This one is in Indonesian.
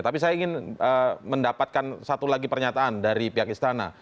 tapi saya ingin mendapatkan satu lagi pernyataan dari pihak istana